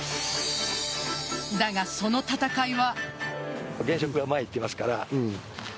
だが、その戦いは。